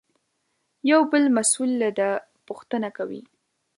یو بل مسوول له ده پوښتنه کوي.